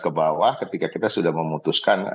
ke bawah ketika kita sudah memutuskan